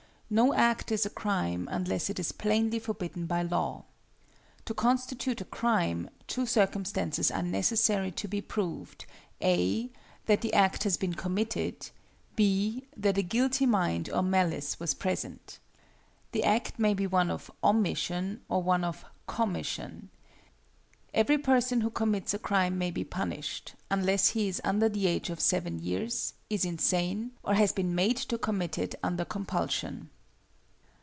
No act is a crime unless it is plainly forbidden by law. To constitute a crime, two circumstances are necessary to be proved (a) that the act has been committed, (b) that a guilty mind or malice was present. The act may be one of omission or of commission. Every person who commits a crime may be punished, unless he is under the age of seven years, is insane, or has been made to commit it under compulsion.